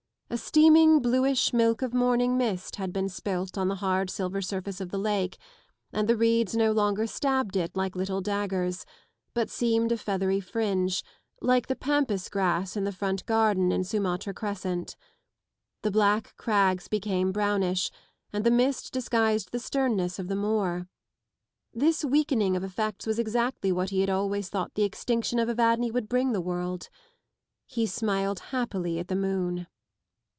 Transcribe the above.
A steaming bluish milk of morning mist had been spilt on the hard silver surface of the lake, and the reeds no longer stabbed it like little daggers, but seemed a feathery fringe, like the pampas grass in the front garden in Sumatra Crescent. The black crags became brownish, and the mist disguised the sternness of the moor. This weakening of effects was exactly what he had always thought the extinction of Evadne would bring the world. He smiled happily at the moon.